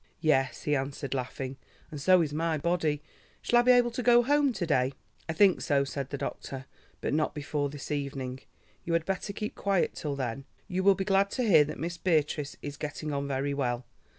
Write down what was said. "Yes," he answered, laughing, "and so is my body. Shall I be able to go home to day?" "I think so," said the doctor, "but not before this evening. You had better keep quiet till then. You will be glad to hear that Miss Beatrice is getting on very well.